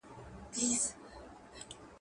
زړه مي تور له منبرونو د ریا له خلوتونو ..